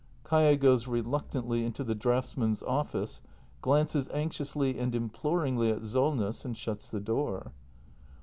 [Kaia goes reluctantly into the draughtsmen's office, glances anxiously and imploringly at Solness, and shuts the door.